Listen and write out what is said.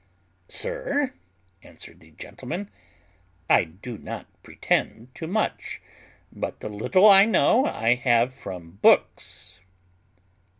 "Sir," answered the gentleman, "I do not pretend to much; but the little I know I have from books."